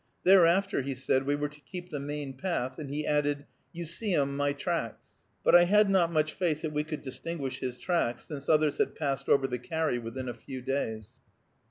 Thereafter, he said, we were to keep the main path, and he added, "You see 'em my tracks." But I had not much faith that we could distinguish his tracks, since others had passed over the carry within a few days.